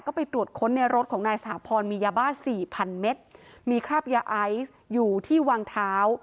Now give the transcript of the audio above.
ก็ไปตรวจค้นในรถของนายสหพรมียาบ้าสี่พันเมตรมีคราบยาไอซ์อยู่ที่วางเท้า